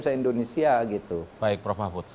se indonesia gitu baik prof mahfud